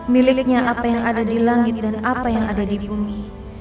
miliknya apa yang ada di langit dan apa yang ada di bumi